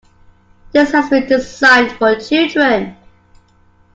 This has been designed for children.